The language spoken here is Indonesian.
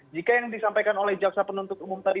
jika yang disampaikan oleh jaksa penuntut umum tadi